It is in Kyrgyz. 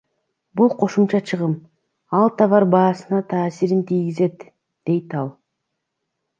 Бул кошумча чыгым, ал товар баасына таасирин тийгизет, — дейт ал.